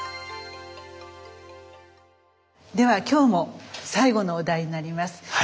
では今日も最後のお題になります。